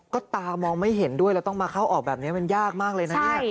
ก็ตามองไม่เห็นด้วยแล้วต้องมาเข้าออกแบบนี้มันยากมากเลยนะเนี่ย